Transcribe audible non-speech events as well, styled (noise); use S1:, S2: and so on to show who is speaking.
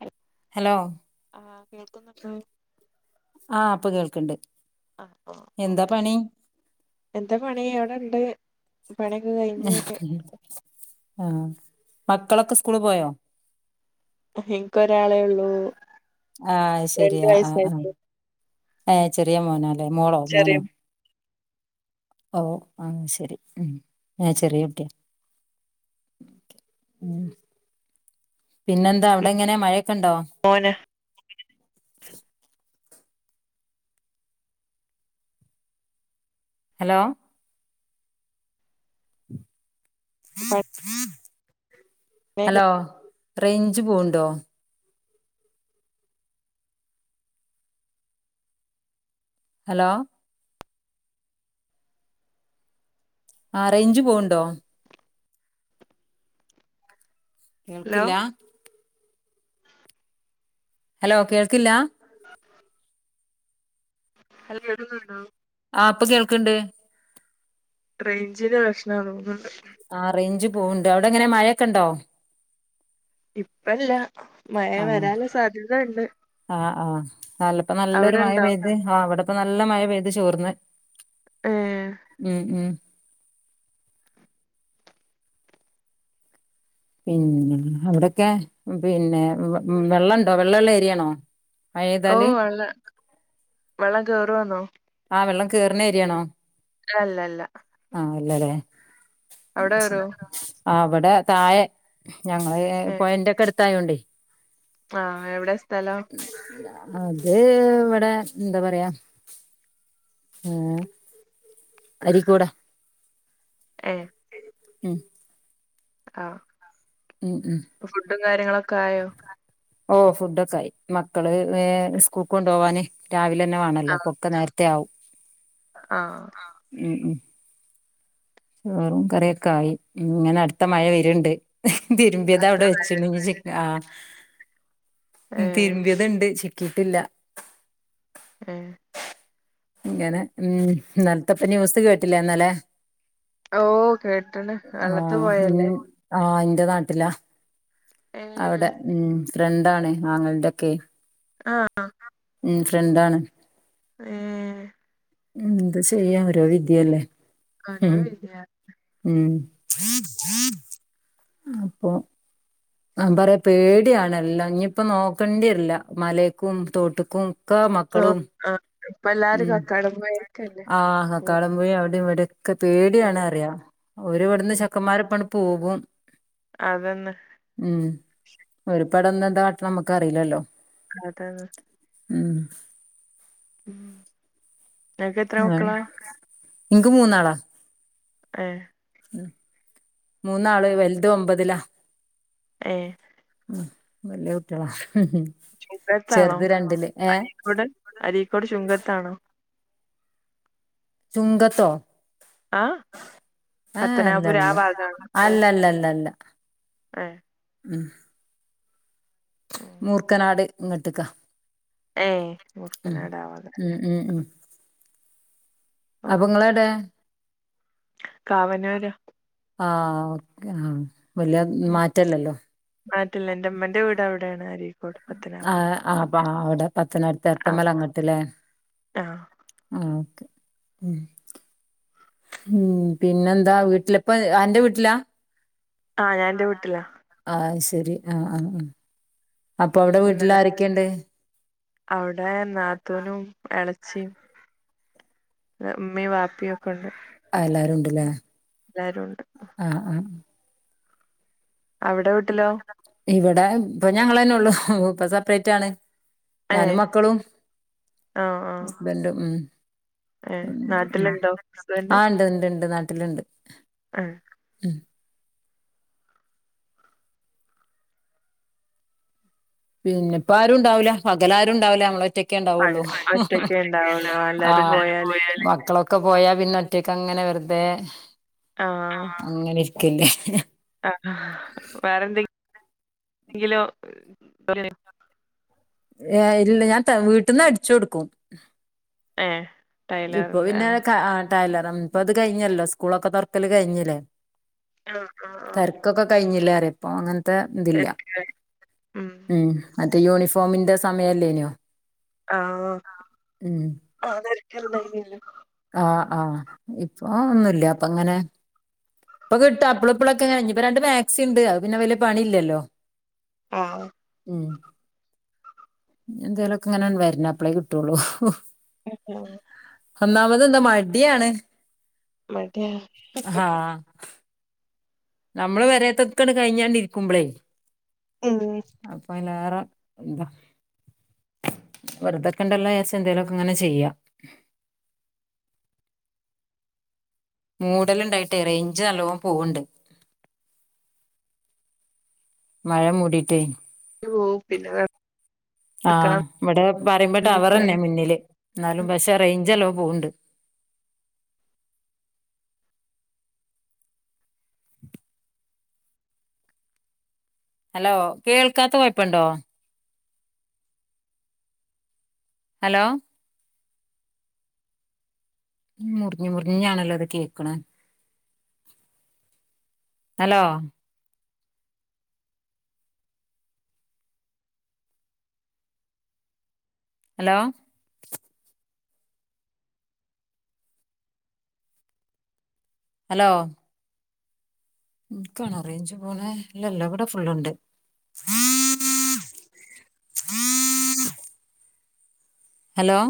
S1: ഹൽ
S2: ഹലോ
S1: ആഹ് കേൾക്കുന്നുണ്ടോ
S2: ആ അപ്പൊ കേൾക്ക ക്കണ്ട്
S1: (unintelligible) പണിയൊക്കെ കഴിഞ്ഞ്
S2: ആ മക്കളൊക്കെ സ്കൂള് പോയോ
S1: എനക്ക് ഒരാളെ ഉള്ളൂ
S2: ആഹ്
S1: രണ്ട്
S2: ശെരിയാ ആഹ് ആ
S1: വയസ്സായിട്ടുള്ളൂ
S2: ഹ് ചെറിയ മോനാ അല്ലെ മോളോ
S1: ചെറിയ
S2: മോനോ ഓ ആ ശരി ഞാൻ ചെറിയ കുട്ടിയ ഉ പിന്നെന്താ അവിടെ എങ്ങനെ മഴയൊക്കെ ഉണ്ടോ
S1: മോനാ
S2: ഹലോ
S1: പണിയൊക്കെ
S2: ഹലോ റേഞ്ച് പോവുണ്ടോ ഹലോ ആ റേഞ്ച് പോവുണ്ടോ
S1: ഹലോ
S2: കേൾക്കില്ല ഹലോ കേൾക്കില്ല
S1: അല്ല എടുന്നുണ്ടോ
S2: ആ് ഇപ്പൊ കേൾക്കണ്ട്
S1: റേഞ്ച്നു പ്രശ്നണേ
S2: പോവണ്ട് അവിടെ എങ്ങനെ മഴയൊക്കെണ്ടോ
S1: ഇപ്പല്ല മയ വരാന് സാധ്യത ഉണ്ട്
S2: ആ ആ അല്ലപ്പോ നല്ലൊരു
S1: അവിടെ
S2: മഴ
S1: ഉണ്ടോ
S2: പെയ്ത് ആ അവിടെക്ക നല്ല മഴ പെയ്ത് ചോർന്ന്
S1: ഏഹ്
S2: ഉം ഉം പിന്നെ അവിടൊക്കെ പിന്നെ വെള്ളം ഉണ്ടോ വെള്ളോള്ള ഏരിയാണോ
S1: ഓ
S2: മഴെയ്താല്
S1: വള്ള വെള്ളം കയറുവാന്നോ
S2: ആ വെള്ളം കേറുന്ന ഏരിയാണോ
S1: അല്ല അല്ല
S2: ആ അല്ലല്ലേ
S1: അവിടെ കേറുവോ
S2: അവിടെ താഴെ ഞങ്ങള് പൊയെന്റൊക്കെ അടുത്തായോണ്ടെ
S1: ആ എവിടെ സ്ഥലം
S2: അത് ഇവിടെ എന്താ പറയാ ഉം അരി കൂട
S1: ഏഹ്
S2: ഉം
S1: ങാ..
S2: ഉം ഉം
S1: ഫുഡും കാര്യങ്ങളൊക്കെ ആയോ..?
S2: ഓ... ഫുഡൊക്കായി. മക്കള്... സ്കൂളി കൊണ്ടോവാന് രാവിലന്നെ വേണല്ലോ...
S1: ആഹ്
S2: അപ്പൊക്കെ നേരത്തെ ത്തെയാവും.
S1: ആഹ്
S2: ഉം.. ഉം.. ചോറും, കറിയൊക്കെ ആയി. മ്മ്.. ഇങ്ങനെ അടുത്ത മഴ വരുണ്ട്. ങ്ക്ഹ്.. തുരുമ്പിയത്
S1: അത്ര
S2: അവിടെ വെച്ചിന് ന് ചിക്കാ...
S1: ഏഹ്
S2: തിരുമ്പിയതുണ്ട്.. ചിക്കീട്ടില്ല
S1: മ്മ്...
S2: ഇങ്ങനെ.. ഉം... ഇന്നൽത്തപ്പ ന്യൂസ് കേട്ടില്ലേന്നലെ...?
S1: ഓ കേട്ട്ണ്
S2: ങാ...
S1: വെള്ളത്ത്
S2: മ്മ്...
S1: പോയല്ലേ
S2: ങാ... എന്റെ നാട്ടിലാ.
S1: ഏ
S2: അവിടെ.. ഉം... ഫ്രണ്ടാണ് ആങ്ങളെടൊക്കെ..
S1: ങാ...
S2: ഉം.. ഫ്രണ്ടാണ്.
S1: മ്മ്മ്മ്.....
S2: ഉം... എന്താ ചെയ്യാ ഓരോ വിധിയല്ലേ..
S1: ആണോ..
S2: ഉം
S1: ഇല്ലയാ...?
S2: ഉം.. അപ്പൊ അവൻ പറയാ.. പേടിയാണെല്ലാം... ഇനിയിപ്പ നോക്കണ്ടി വരില്ല.. മലേക്കും, തോട്ട്ക്കും.. ക്ക.. മക്കളും
S1: ആഹ് ഇപ്പ എല്ലാരും
S2: ഉം..
S1: കക്കാടം പോയേക്കല്ലേ
S2: ആഹ..
S1: ഉം
S2: കടം പോയി അവിടെയു ഇവടെയു ഒക്കെ
S1: ഉം
S2: പേടിയാണ്പറയ.. ഓരിവിടുന്ന്
S1: ഉം
S2: ചെക്കന്മാരൊപ്പങ്ങട് പോകും..
S1: അതന്നെ..
S2: ഇപ്പൊ അവിടെനിന്നെന്താകാട്ടണ നമുക്കറിയില്ലല്ലോ.
S1: അത്...
S2: ഉം...
S1: ഉം.. നിനക്ക് എത്ര മക്കളാ...?
S2: നിക്ക് മൂന്നാളാ.
S1: ങാ..
S2: ഉം. മൂന്നാള്.. വലുത് ഒമ്പതിലാ.
S1: ങേഹ്...
S2: മ്.. വല്യ കുട്ടികളാ.. ഉം.. ഹും.
S1: ചുങ്കത്താണോ
S2: ചെറുത് രണ്ടില്. ങേഹ്..
S1: അരീക്കോട് അരീക്കോട് ചുങ്കത്താണോ
S2: ചുങ്കത്തോ...?
S1: ആഹ്
S2: ങാ...
S1: പത്തനാപുരം ആ
S2: അല്ലല്ല.. അല്ലല്ലല്ലല്ല.
S1: ങാ...
S2: മ്മ്. മൂർക്കനാട്.. ഇങ്ങട്ട്ക്ക.
S1: ങേ... മൂർക്കനാട് അവടിക്ക..
S2: ഉം അപ്പ.. ങ്ങളെവിടെ...?
S1: കാവന്നൂരാ..
S2: ങാ... ഓക്കെ... ങാ.. വലിയ മാറ്റ ഇല്ലല്ലോ..
S1: മാറ്റില്ല, എന്റമ്മന്റെ വീട് അവിടെയാണ്. ആര്..
S2: ങാ... അപ്പ.. അവിടെ.. പത്തനാപുരത്ത്..
S1: ആഹ്
S2: എത്തമല അങ്ങട്ടല്ലേ.
S1: ആഹ്
S2: ങാ.. ഓക്കെ. ഉം.. ഉം... പിന്നെന്താ.. വീട്ടിലിപ്പ.. അന്റെ വീട്ടിലാ...?
S1: ങാ.. ഞാൻ എന്റെ വീട്ടിലാ.
S2: ങാ... ശരി.. ങാ.. ങാ.. ങാ.. അപ്പൊ അവിടെ വീട്ടിൽ
S1: ഇന്നലെ
S2: ആരൊക്കെയുണ്ട്?
S1: അവിടെ... നാത്തൂനും, എളേച്ചിം. ഉമ്മി, വാപ്പി ഒക്കെ ഉണ്ട്.
S2: ങാ.. എല്ലാരുംണ്ട്ല്ലേ....
S1: എല്ലാരും ഉണ്ട്
S2: ങാ... ങാ...
S1: അവിടെ വീട്ടിലോ
S2: ഇവിടെ.. ഇപ്പൊ ഞങ്ങളന്നെ ഉള്ളൂ.. ഇപ്പൊ സെപ്പറേറ്റ് ആണ്.
S1: ഏഹ്
S2: ഞാനും മക്കളും
S1: ആഹ് ആഹ്
S2: ഹസ്ബൻറും ഉം
S1: ഏഹ് നാട്ടിലുണ്ടോ ഹസ്ബൻഡ്
S2: ആ ഇണ്ട് ഇണ്ട് ഇണ്ട് നാട്ടിലിണ്ട്
S1: ആഹ്
S2: പിന്നെപ്പ ആരുും ഉണ്ടാവില്ല പകലാരുംണ്ടാവില്ല നമ്മളറ്റ കൊണ്ടാവള്ളൂ
S1: അങ്ങനെ ഒറ്റക്കേ ഉണ്ടാവുള്ളൂ ആഹ് എല്ലാരും
S2: അഹ്
S1: പോയാലല്ലേ
S2: മക്കളോ ഒക്കെ പോയാ പിന്ന ഒറ്റക്ക് അങ്ങനെ വെറുതെ അങ്ങനെരിക്കല്ലേ
S1: ആ വേറെന്തെങ്കിലോ പര
S2: ഏ ഇല്ല ഞാൻ വീട്ടന്ന് അടിച്ചു കൊടുക്കും
S1: ഏഹ്
S2: ഇപ്പൊ
S1: ടൈലറിന്റെ
S2: പിന്നെ
S1: ആഹ്
S2: ക ആ കല്ലറം ഇപ്പ അത് കഴിഞ്ഞല്ലോ സ്കൂളൊക്കെ തുറക്കല് കഴിഞ്ഞില്ലേ
S1: ആഹ് ആഹ് ആഹ്
S2: തെരെക്കൊക്കെ കഴിഞ്ഞില്ലേ പറ ഇപ്പ അങ്ങ ഇപ്പ തില്ല
S1: തിരക്കിലായി
S2: ഉം മറ്റേ യൂണിഫോമിന്റെ സമയല്ലേനോ
S1: ആ ആ നരക്കനല്ല (unintelligible)
S2: ആ ആഹ് ഇപ്പൊ ഒന്നുല്ല ഇപ്പ അങ്ങനെ ഇപ്പൊ കിട്ട അപ്പള ഇപ്പളൊക്കെ കഴിഞ് ഇപ്പൊ രണ്ട് മാക്സി ഇണ്ട് അത് പിന്നെ വലിയ പണി ഇല്ലല്ലോ
S1: ആഹ്
S2: ഉം ഇനി എന്തെലൊക്കെ ഇങ്ങനെ വരണം അപളെ കിട്ടോള്ളൂ
S1: അഹ് അഹ്
S2: ഒന്നാമത് എന്താ മടിയാണ്
S1: മടി
S2: നമ്മളെ പെരെതൊക്കെ കഴിഞ്ഞോണ്ടിരിക്കുമ്പളേ
S1: ഉം
S2: അയിലേറെ എന്ത വെറുതൊക്കെണ്ടല്ലോ ലേസം എന്തേലൊക്കെ ഇങ്ങനെ ചെയ്യാ മൂടലുണ്ടായിട്ട് റേഞ്ച് നല്ലോം പോവ്ണ്ട് മഴ മൂടിട്ടെ
S1: പോവും പിന്നെ
S2: ആഹ് ഇവിടെ പറയുമ്പോ ടവർ
S1: കെടക്കണം
S2: ഇണ്ട് മുന്നില് എന്നാലും പക്ഷെ റെയിഞ്ച് നല്ലോം പോവ്ണ്ട് ഹലോ കേൾക്കാത്ത കൊഴപ്പുണ്ടോ ഹലോ മുറിഞ്ഞഞ് മുറിഞ്ഞാണല്ലോ അത് കേക്കണെ ഹലോ ഹലോ ഹലോ എനിക്കാണോ റേഞ്ച് പോണേ ഇല്ല ഇല്ല ഇവിടെ ഫുള്ളുണ്ട് ഹലോ